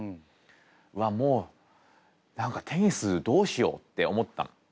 うわもう何かテニスどうしようって思ったの。